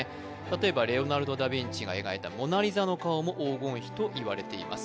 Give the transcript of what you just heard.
例えばレオナルド・ダ・ヴィンチが描いた「モナ・リザ」の顔も黄金比といわれています